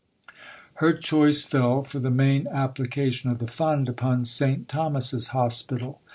Her choice fell, for the main application of the Fund, upon St. Thomas's Hospital.